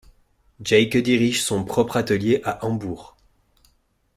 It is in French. Geycke dirige son propre atelier à Hambourg.